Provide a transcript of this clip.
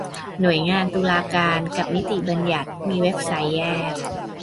หน่วยงานตุลาการกับนิติบัญญัติมีเว็บไซต์แยก